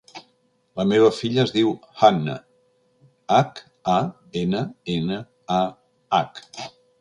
La meva filla es diu Hannah: hac, a, ena, ena, a, hac.